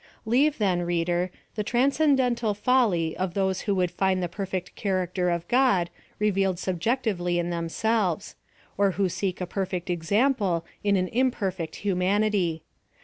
Leave, then, reader, the transcendental folly of those who would find the perfect character of God rev ^aled subjectively in themselves ; or who seek a perfect example in an imperfect humanity.